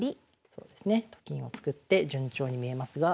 そうですね。と金を作って順調に見えますが。